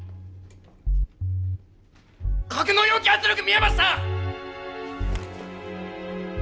格納容器圧力見えました！